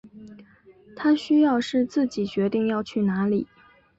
他需要是自己决定要去哪里